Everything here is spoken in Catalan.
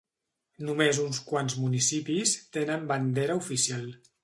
Només uns quants municipis tenen bandera oficial.